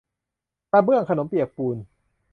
กระเบื้องขนมเปียกปูน